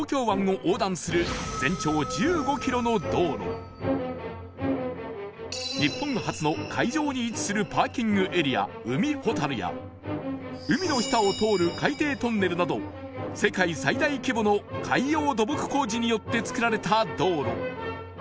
第１位は日本初の海上に位置するパーキングエリア海ほたるや海の下を通る海底トンネルなど世界最大規模の海洋土木工事によってつくられた道路